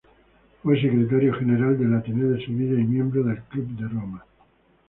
Fue Secretario General del Ateneo de Sevilla y miembro del Club de Roma.